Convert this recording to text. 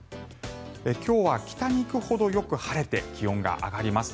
今日は北に行くほどよく晴れて気温が上がります。